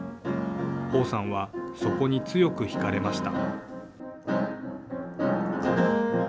彭さんは、そこに強く引かれました。